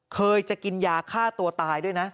เคยจะกินยาฆ่าตัวตายด้วยนะ